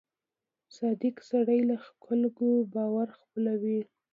• صادق سړی د خلکو باور خپلوي.